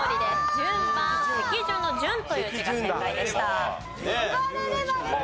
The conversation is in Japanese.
順番席順の「順」という字が正解でした。